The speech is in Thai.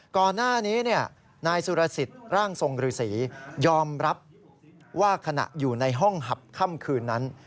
ก่อนหน้านี้นายสุรสิทธิ์ร่างทรงฤษียอมรับว่าขณะอยู่ในห้องหับค่ำคืนนั้น